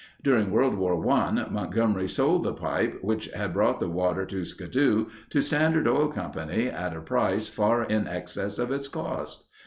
During World War I, Montgomery sold the pipe, which had brought the water to Skidoo, to Standard Oil Company at a price far in excess of its cost.